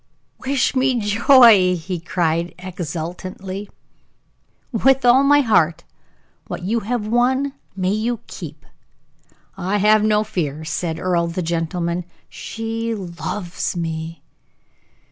"Wish me joy!" he cried, exultantly. "With all my heart. What you have won, may you keep." "I have no fear," said Earle, the gentleman. "She loves me."